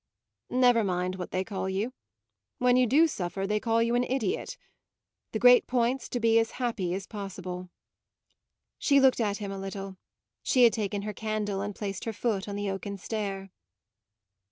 "Never mind what they call you. When you do suffer they call you an idiot. The great point's to be as happy as possible." She looked at him a little; she had taken her candle and placed her foot on the oaken stair.